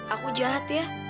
aku jahat ya